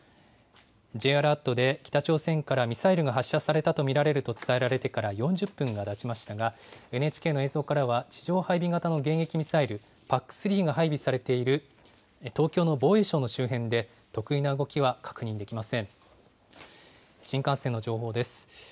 Ｊアラートで北朝鮮からミサイルが発射されたと見られると伝えられてから４０分がたちましたが、ＮＨＫの映像からは、地上配備型の迎撃ミサイル、ＰＡＣ３が配備されている東京の防衛省の周辺で特異な動きは確認できません。